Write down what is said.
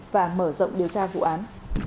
và mở rộng điều tra vụ án